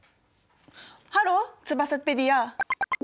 ハローツバサペディア！